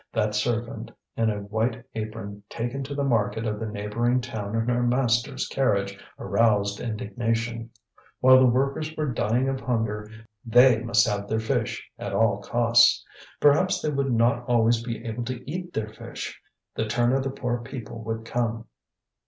That servant in a white apron taken to the market of the neighbouring town in her master's carriage aroused indignation. While the workers were dying of hunger they must have their fish, at all costs! Perhaps they would not always be able to eat their fish: the turn of the poor people would come.